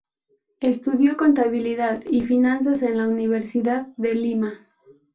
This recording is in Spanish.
Estudió contabilidad y finanzas en la Universidad de Lima.